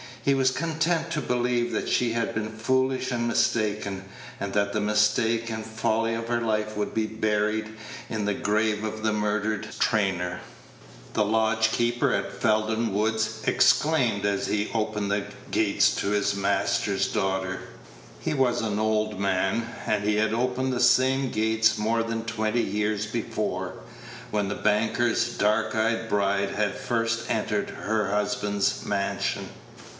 He was content to believe that she had been foolish and mistaken, and that the mistake and folly of her life would be buried in the grave of the murdered trainer. The lodge keeper at Felden Woods exclaimed as he opened the gates to his master's daughter. He was an old man, and he had opened the same gates more than twenty years before, when the banker's dark eyed bride had first entered her husband's mansion.